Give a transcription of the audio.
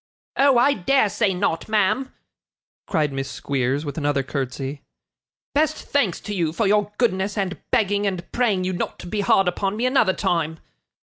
'Oh, I dare say not, ma'am!' cried Miss Squeers, with another curtsy. 'Best thanks to you for your goodness, and begging and praying you not to be hard upon me another time!